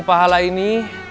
dan anda juga